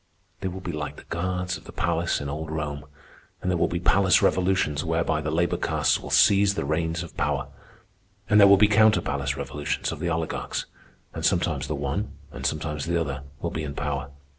They will be like the guards of the palace in old Rome, and there will be palace revolutions whereby the labor castes will seize the reins of power. And there will be counter palace revolutions of the oligarchs, and sometimes the one, and sometimes the other, will be in power.